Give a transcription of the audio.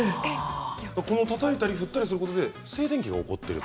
たたいたり振ったりすることで静電気が起きる。